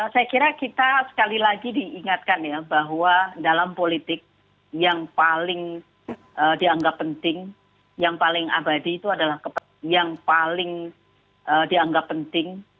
saya kira kita sekali lagi diingatkan ya bahwa dalam politik yang paling dianggap penting